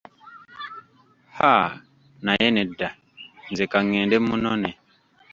Ha, naye nedda, nze kangende munone.